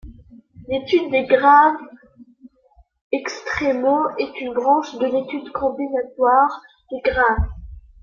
L'étude des graphes extrémaux est une branche de l'étude combinatoire des graphes.